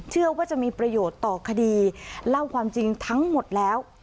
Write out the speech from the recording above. เชื่อว่าจะมีประโยชน์ต่อคดีเล่าความจริงทั้งหมดแล้ว